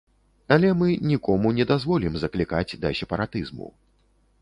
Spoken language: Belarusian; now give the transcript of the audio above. Але мы нікому не дазволім заклікаць да сепаратызму.